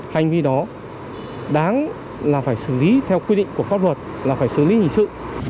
hành vi đó đáng là phải xử lý theo quy định của pháp luật là phải xử lý hình sự